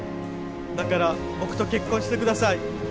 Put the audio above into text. だから僕と結婚してください。